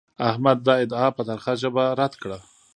احمد دا ادعا په ترخه ژبه رد کړه.